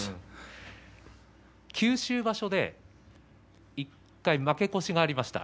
九州場所で１回負け越しがありました。